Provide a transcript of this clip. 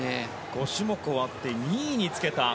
５種目終わって２位につけた。